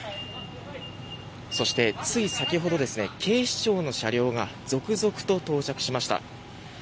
そしてつい先ほど警視庁の車両が続々と到着しました。